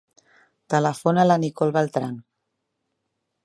Telefona a la Nicole Beltran.